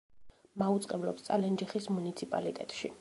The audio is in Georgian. მაუწყებლობს წალენჯიხის მუნიციპალიტეტში.